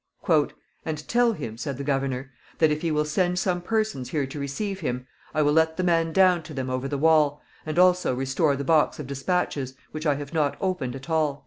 "And tell him," said the governor, "that if he will send some persons here to receive him, I will let the man down to them over the wall, and also restore the box of dispatches, which I have not opened at all."